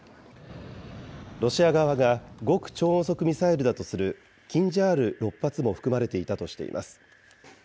ロシア側が極超音速ミサイルだとする、キンジャール６発も含まれていたとしています。